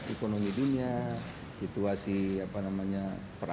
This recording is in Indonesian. ekonomi dunia situasi perang dagang antara